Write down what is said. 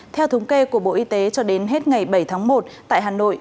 theo thống kê của bộ y tế cho đến hết ngày bảy tháng một tại hà nội